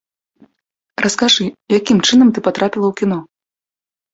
Раскажы, якім чынам ты патрапіла ў кіно?